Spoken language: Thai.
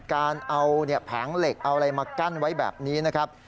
การเอาแผงเหล็กเอาอะไรมากั้นไว้แบบนี้นะครับ